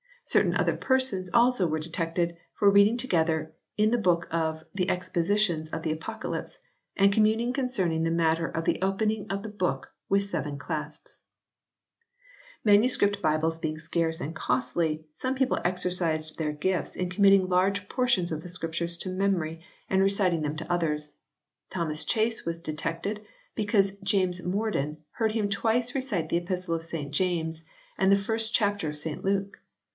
Certain other persons also were detected for "read ing together in the book of the Expositions of the Apocalypse, and communing concerning the matter of the opening of the book with seven clasps/ Manuscript Bibles being scarce and costly, some people exercised their gifts in committing large portions of the Scriptures to memory and reciting them to others. Thomas Chase was detected because James Morden "heard him twice recite the Epistle of St James and the first chapter of St Luke."